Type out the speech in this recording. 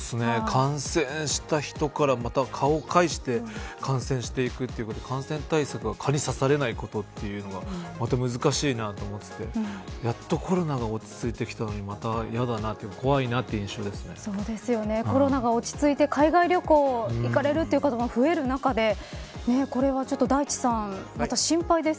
感染した人から、また蚊を介して感染していくということで感染対策は蚊に刺されないことというのがまた難しいなと思っていてやっとコロナが落ち着いてきたのにまた嫌だなコロナが落ち着いて海外旅行に行かれるという方が増える中でこれはちょっと、大地さん